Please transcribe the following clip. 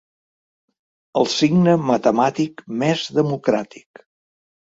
El signe matemàtic més democràtic.